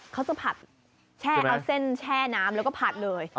เขาจะผัดแช่เอาเส้นแช่น้ำแล้วก็ผัดเลย